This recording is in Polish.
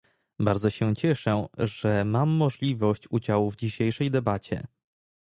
Bardzo się cieszę, że mam możliwość udziału w dzisiejszej debacie